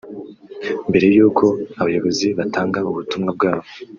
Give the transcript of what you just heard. Mbere y’uko abayobozi batanga ubutumwa bwabo